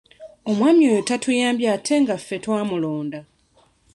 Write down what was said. Omwami oyo tatuyambye ate nga ffe twamulonda.